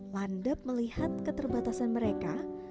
landep melihat keterbatasan mereka